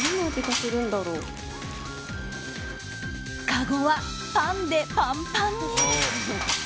かごはパンでパンパンに。